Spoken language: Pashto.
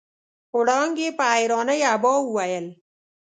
وړانګې په حيرانۍ ابا وويل.